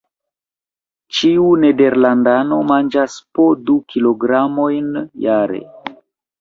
Ĉiu nederlandano manĝas po du kilogramojn jare.